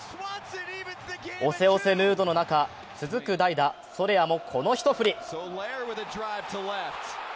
押せ押せムードの中、続く代打・ソレアもこの一振り。